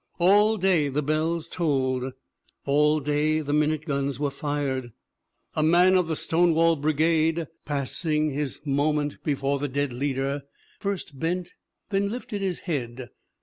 All day the bells tolled, all day the minute guns were fired. "A man of the Stonewall Brigade, pausing his mo MARY JOHNSTON 135 ment before the dead leader, first bent, then lifted his head.